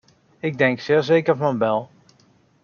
Ik denk zeer zeker van wel.